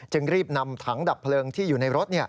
รีบนำถังดับเพลิงที่อยู่ในรถ